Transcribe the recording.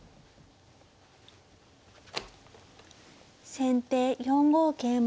先手４五桂馬。